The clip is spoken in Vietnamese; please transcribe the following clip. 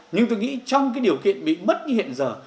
nhưng tôi nghĩ trong cái điều kiện bị mất như hiện giờ